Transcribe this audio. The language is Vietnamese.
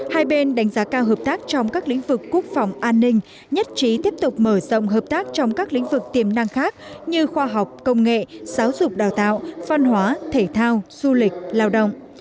hai bên đánh giá cao hợp tác trong các lĩnh vực quốc phòng an ninh nhất trí tiếp tục mở rộng hợp tác trong các lĩnh vực tiềm năng khác như khoa học công nghệ giáo dục đào tạo văn hóa thể thao du lịch lao động